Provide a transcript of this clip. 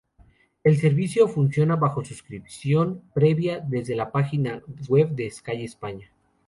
El servicio, funciona bajo suscripción previa desde la página web de Sky España.